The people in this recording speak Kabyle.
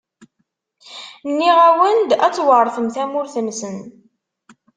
Nniɣ-awen-d: Ad tweṛtem tamurt-nsen.